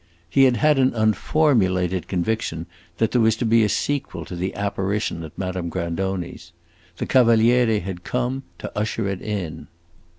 He had had an unformulated conviction that there was to be a sequel to the apparition at Madame Grandoni's; the Cavaliere had come to usher it in.